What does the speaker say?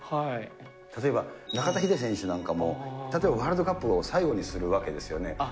例えば、中田ヒデ選手なんかも、例えば、ワールドカップを最後にするわけですよね。